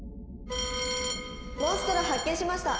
「モンストロ発見しました」。